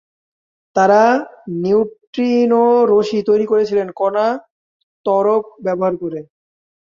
তারা নিউট্রিনো রশ্মি তৈরি করেছিলেন কণা ত্বরক ব্যবহার করে।